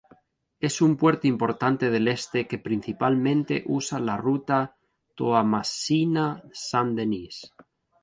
Es un puerto importante del este que principalmente usa la ruta Toamasina-Saint Denis.